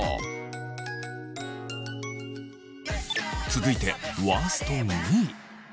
続いてワースト２位。